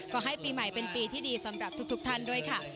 ขอให้ปีใหม่เป็นปีที่ดีสำหรับทุกท่านด้วยค่ะ